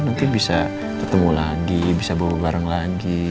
nanti bisa ketemu lagi bisa bawa barang lagi